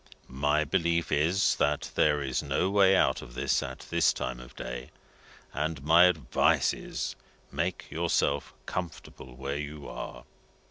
My belief is that there is no way out of this at this time of day, and my advice is, make yourself comfortable where you are."